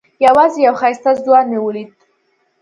یوازې یو ښایسته ځوان مې ولید.